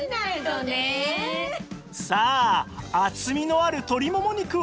さあ厚みのある鶏モモ肉は